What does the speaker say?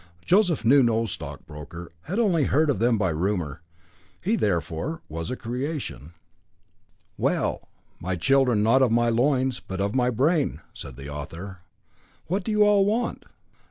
Joseph knew no stockbroker had only heard of them by rumour. He, therefore, was a creation. "Well, my children, not of my loins, but of my brain," said the author. "What do you all want?"